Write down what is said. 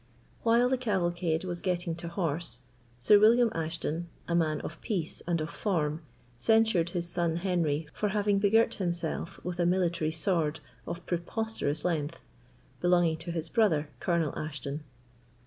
While the cavalcade were getting to horse, Sir William Ashton, a man of peace and of form, censured his son Henry for having begirt himself with a military sword of preposterous length, belonging to his brother, Colonel Ashton.